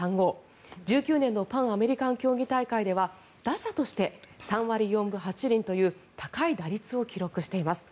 １９年のパンアメリカン競技大会では打者として３割４分８厘という高い打率を記録しています。